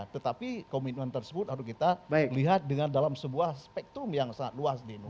tetapi komitmen tersebut harus kita lihat dengan dalam sebuah spektrum yang sangat luas di indonesia